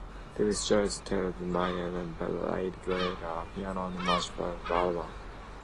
Davis joined Taj Mahal and played guitar and piano on Mahal's first three albums.